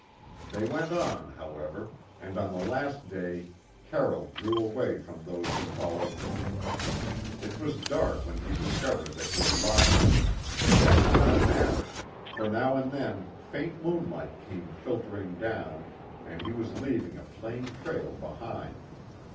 They went on, however, and on the last day Carroll drew away from those who followed him. It was dark when he discovered that he had lost them, but that did not matter, for now and then faint moonlight came filtering down and he was leaving a plain trail behind.